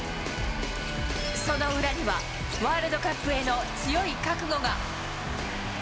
その裏には、ワールドカップへの強い覚悟が。